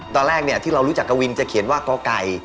ตอนแรกที่เรารู้จักกวินจะเขียนว่ากไก่